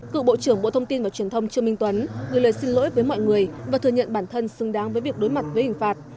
cựu bộ trưởng bộ thông tin và truyền thông trương minh tuấn gửi lời xin lỗi với mọi người và thừa nhận bản thân xứng đáng với việc đối mặt với hình phạt